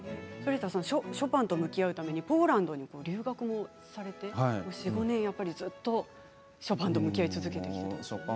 ショパンと向き合うためにポーランドに留学をされて４、５年ずっとショパンと向き合い続けてきたと。